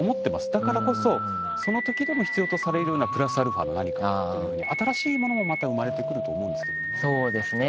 だからこそそのときでも必要とされるようなプラスアルファの何かも新しいものもまた生まれてくると思うんですよね。